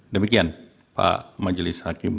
demikian pak majelis hakim ketua yang kami temui